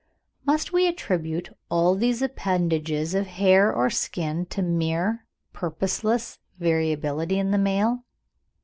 Must we attribute all these appendages of hair or skin to mere purposeless variability in the male?